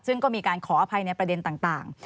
ซึ่งก็มีการขออภัยในประเด็นต่าง